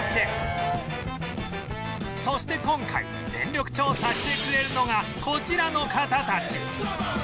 そして今回全力調査してくれるのがこちらの方たち